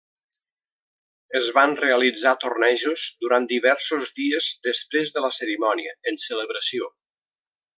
Es van realitzar tornejos durant diversos dies després de la cerimònia, en celebració.